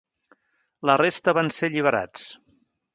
La resta van ser alliberats.